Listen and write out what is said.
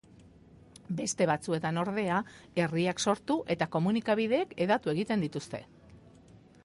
Beste batzuetan, ordea, herriak sortu eta komunikabideek hedatu egiten dituzte.